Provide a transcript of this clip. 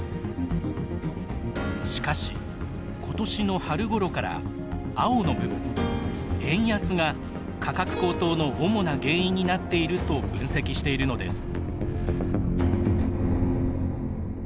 しかし今年の春ごろから青の部分円安が価格高騰の主な原因になっていると分析しているのです。